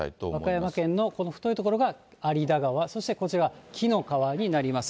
和歌山県のこの太い所が有田川、そしてこちら、きの川になります。